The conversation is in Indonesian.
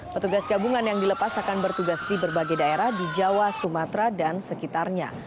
petugas gabungan yang dilepas akan bertugas di berbagai daerah di jawa sumatera dan sekitarnya